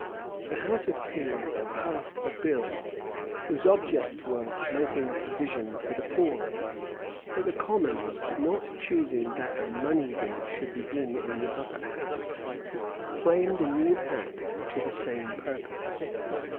The house of peers passed a bill, whose object was, making a provision for the poor; but the commons, not choosing that a money bill should begin in the upper house, framed a new act to the same purpose.